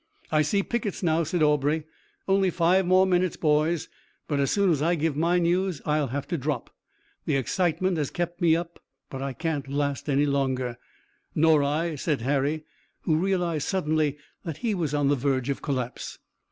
"I see pickets now," said Aubrey. "Only five more minutes, boys, but as soon as I give my news I'll have to drop. The excitement has kept me up, but I can't last any longer." "Nor I," said Harry, who realized suddenly that he was on the verge of collapse.